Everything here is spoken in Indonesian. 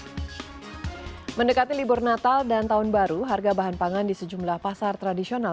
hai mendekati libur natal dan tahun baru harga bahan pangan di sejumlah pasar tradisional